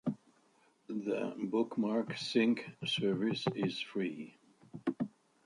The BookmarkSync service is free.